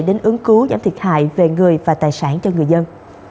đến ứng cứu giảm thiệt hại về người và tài sản cho người dân